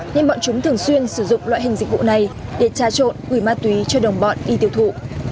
nên bọn chúng thường xuyên sử dụng loại hình dịch vụ này để tra trộn quỷ ma túy cho đồng bọn y tiêu thụ